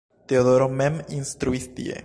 Teodoro mem instruis tie.